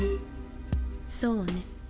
そうね。